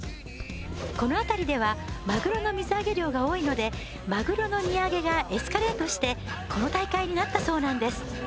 この辺りではマグロの水揚げ量が多いのでマグロの荷揚げがエスカレートしてこの大会になったそうなんです